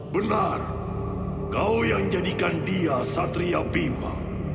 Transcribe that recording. benar kau yang jadikan dia satria pima